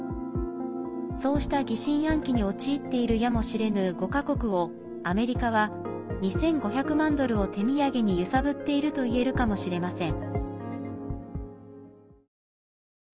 そうした疑心暗鬼に陥っているやもしれぬ５か国をアメリカは２５００万ドルを手土産に揺さぶっているといえるかもしれません。